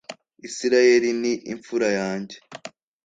Isirayeli ni imfura yanjye